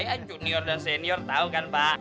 ya junior dan senior tahu kan pak